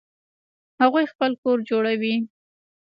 هغوی خپل کور جوړوي